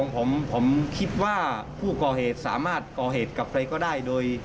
ผมคิดว่าผู้ก่อเหตุสามารถก่อเหตุก็ได้